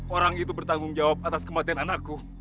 orang itu bertanggung jawab atas kematian anakku